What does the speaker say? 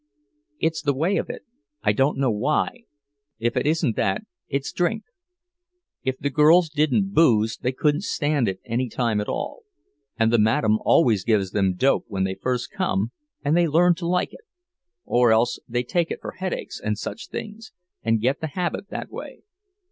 "It's the way of it; I don't know why. If it isn't that, it's drink. If the girls didn't booze they couldn't stand it any time at all. And the madame always gives them dope when they first come, and they learn to like it; or else they take it for headaches and such things, and get the habit that way.